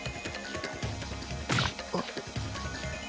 あっ。